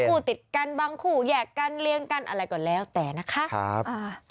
บางคู่ติดกันบางคู่แยกกันเลี้ยงกันอะไรก่อนแล้วแต่นะคะครับ